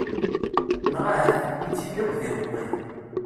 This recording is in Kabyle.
Neɣ ahat tewwi-tt-id akk d imeṭṭi.